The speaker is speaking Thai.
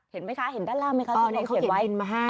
เห็นไหมคะเห็นด้านล่างไหมคะเขาเขียนไว้